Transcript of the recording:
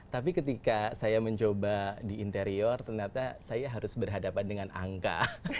tapi ketika saya mencoba di interior ternyata saya harus berhadapan dengan angka